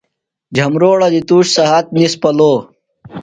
جھمبروڑہ دی تُوش سھات نِس پلو